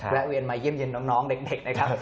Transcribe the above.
แวะเวียนมาเยี่ยมเย็นน้องเด็กนะครับ